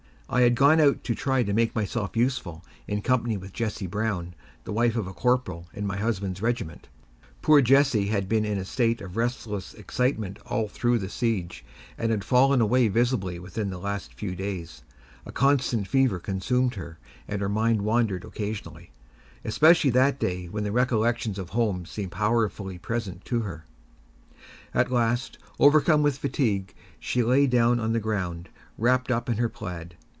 I had gone out to try to make myself useful, in company with Jessie Brown, the wife of a corporal in my husband's regiment. Poor Jessie had been in a state of restless excitement all through the siege, and had fallen away visibly within the last few days. A constant fever consumed her, and her mind wandered occasionally, especially that day when the recollections of home seemed powerfully present to her. At last, overcome with fatigue, she lay down on the ground, wrapped up in her plaid.